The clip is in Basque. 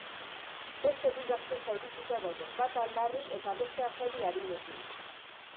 Beste bi gazte zaurituta daude, bata larri eta bestea zauri arinekin.